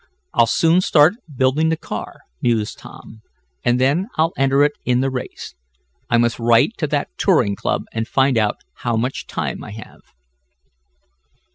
"I'll soon start building the car," mused Tom, "and then I'll enter it in the race. I must write to that touring club and find how much time I have."